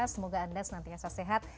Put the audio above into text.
semoga anda senantiasa sehat